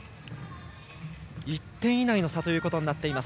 １点以内の差となっています。